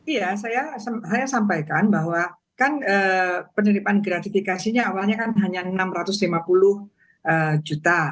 iya saya sampaikan bahwa kan penelitipan gratifikasinya awalnya kan hanya enam ratus lima puluh juta